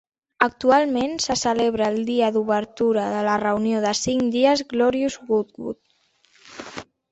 Actualment se celebra el dia d'obertura de la reunió de cinc dies Glorious Goodwood.